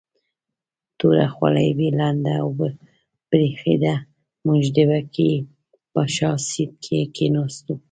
توره خولۍ یې لنده او برېښېده، موږ د بګۍ په شا سیټ کې کېناستو.